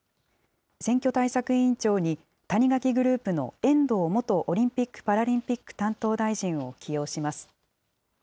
選挙対策委員長に、谷垣グループの遠藤元オリンピック・パラリンピック担当大臣を起用します。